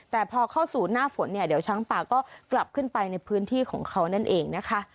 แต่พอเข้าสู่หน้าฝนเนี่ยเดี๋ยวช้างป่าก็กลับขึ้นไปในพื้นที่ของเขานั่นเองนะคะ